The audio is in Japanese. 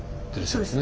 そうです。